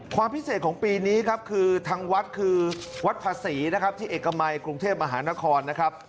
ความพิเศษของปีนี้คือทางวัดคือวัดพาศรีที่เอกะมัยกรุงเทพอหานคร